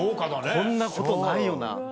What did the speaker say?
こんなことないよなと。